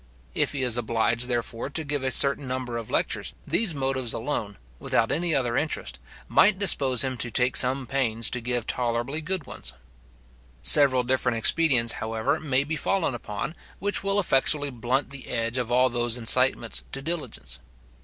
If he is obliged, therefore, to give a certain number of lectures, these motives alone, without any other interest, might dispose him to take some pains to give tolerably good ones. Several different expedients, however, may be fallen upon, which will effectually blunt the edge of all those incitements to diligence.